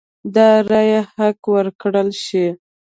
د رایې حق ورکړل شي.